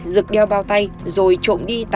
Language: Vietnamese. rực đeo bao tay rồi trộm đi